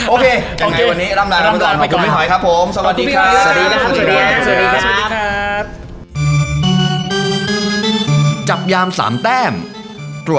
โอเควันนี้ลำดาลกันไปก่อนสวัสดีครับ